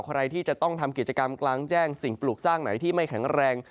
ใครที่จะต้องทำกิจกรรมกลางแจ้งสิ่งปลูกสร้างไหนที่ไม่แข็งแรง